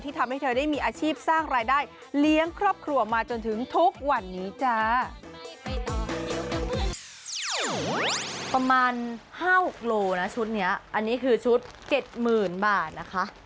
ทำให้เธอได้มีอาชีพสร้างรายได้เลี้ยงครอบครัวมาจนถึงทุกวันนี้จ้า